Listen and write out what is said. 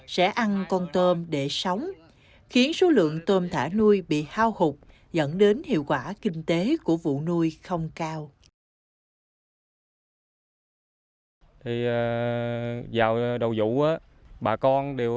sẽ ăn con tôm để sống khiến số lượng tôm thả nuôi bị hao hụt dẫn đến hiệu quả kinh tế của vụ nuôi không cao